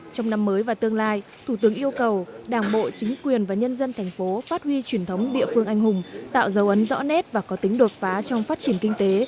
trong năm mới và tương lai thủ tướng yêu cầu đảng bộ chính quyền và nhân dân thành phố phát huy truyền thống địa phương anh hùng tạo dấu ấn rõ nét và có tính đột phá trong phát triển kinh tế